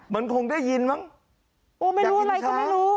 มันคงได้ยินมั้งโอ้ไม่รู้อะไรก็ไม่รู้